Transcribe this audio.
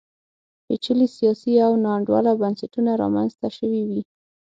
پېچلي سیاسي او ناانډوله بنسټونه رامنځته شوي وي.